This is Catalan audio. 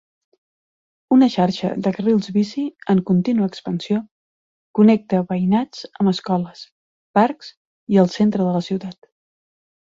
Una xarxa de carrils bici en continua expansió connecta veïnats amb escoles, parcs i el centre de la ciutat.